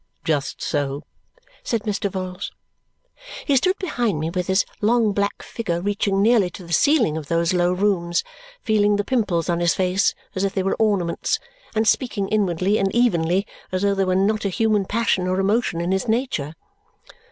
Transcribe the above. "Just so," said Mr. Vholes. He stood behind me with his long black figure reaching nearly to the ceiling of those low rooms, feeling the pimples on his face as if they were ornaments and speaking inwardly and evenly as though there were not a human passion or emotion in his nature.